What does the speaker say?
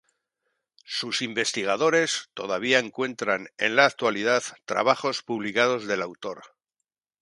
Sus investigadores todavía encuentran en la actualidad trabajos publicados del autor.